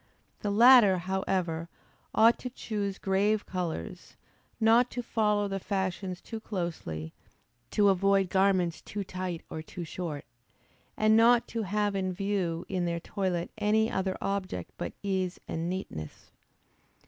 The latter, however, ought to choose grave colors, not to follow the fashions too closely; to avoid garments too tight or too short, and not to have in view in their toilet any other object but ease and neatness.